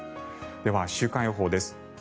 では、週間予報です。